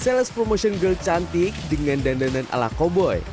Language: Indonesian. sales promotion girl cantik dengan dandanan ala koboy